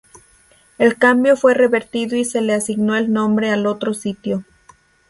El cambio fue revertido y se le asignó el nombre a otro sitio.